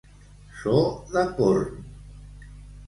So de corn.